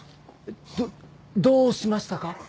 どどうしましたか？